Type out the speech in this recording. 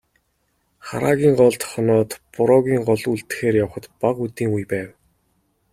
Хараагийн голд хоноод, Бороогийн голд үлдэхээр явахад бага үдийн үе байв.